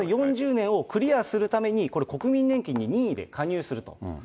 ４０年をクリアするためにこれ、国民年金に任意で加入すると。